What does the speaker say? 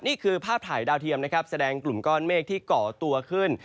นี่คือภาพถ่ายดาวเทียมนะครับแสดงกลุ่มก้อนเมฆที่ก่อตัวขึ้น